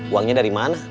uangnya dari mana